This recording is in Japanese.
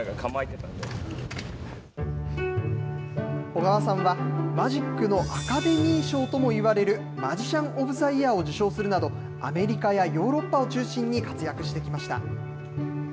緒川さんは、マジックのアカデミー賞ともいわれる、マジシャン・オブ・ザ・イヤーを受賞するなど、アメリカやヨーロッパを中心に活躍してきました。